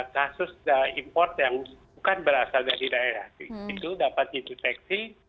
kasus import yang bukan berasal dari daerah itu dapat dideteksi